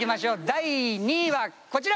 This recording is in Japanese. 第２位はこちら！